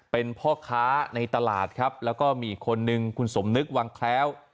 เป็นพ่อค้าในตลาดครับแล้วก็มีอีกคนนึงคุณสมนึกวังแคล้ว